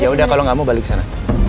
ya udah kalau gak mau balik sana